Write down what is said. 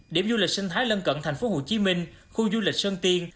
điểm du lịch sân thái lân cận thành phố hồ chí minh khu du lịch sân tiên